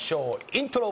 イントロ。